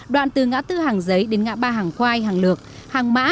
đoạn từ ngã tư hàng giấy đến ngã ba hàng khoai hàng lược hàng mã